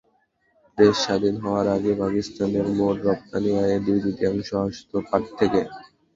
দেশ স্বাধীন হওয়ার আগে পাকিস্তানের মোট রপ্তানি আয়ের দুই-তৃতীয়াংশ আসত পাট থেকে।